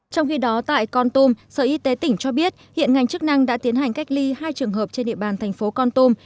trong khi đó tại con tum sở y tế tỉnh cho biết hiện ngành chức năng đã tiến hành cách ly hai trường hợp trên địa bàn thành phố con tum